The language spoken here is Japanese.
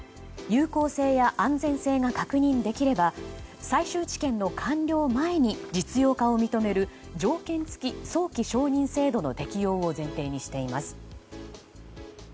有効性や安全性が確認できれば最終治験の完了前に実用化を認める条件付き早期承認制度の適用を前提にしています。